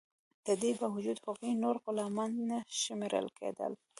د دې باوجود هغوی نور غلامان نه شمیرل کیدل.